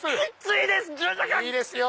いいですよ！